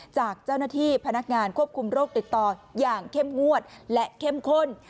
จากเจ้าหน้าที่พนักงานควบคุมโรคติดต่ออย่างเข้มงวดและเข้มข้น